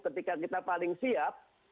ketika kita paling siap